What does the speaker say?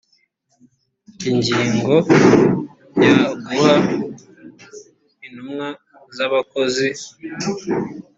ingingo ya guha intumwa z abakozi